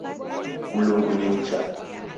Mlungu ni mcha